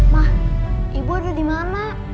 ma ibu ada dimana